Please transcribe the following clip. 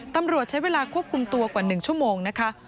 ตำรวจใช้เวลาควบคุมตัวกว่า๑ชั่วโมงนะคะ